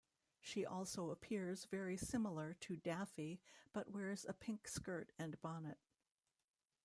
She also appears very similar to Daffy, but wears a pink skirt and bonnet.